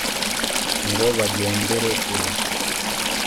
Ngo bagendere kure,